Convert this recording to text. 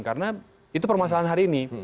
karena itu permasalahan hari ini